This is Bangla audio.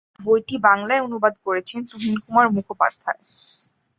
বইটি বাংলা অনুবাদ করেছেন তুহিন কুমার মুখোপাধ্যায়।